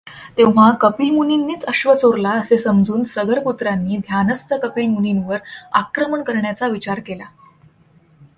तेव्हा कपिलमुनींनीच अश्व चोरला असे समजून सगरपुत्रांनी ध्यानस्थ कपिलमुनींवर आक्रमण करण्याचा विचार केला.